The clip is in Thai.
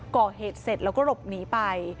ก่อเหตุเสร็จแล้วก็หลบหนีไป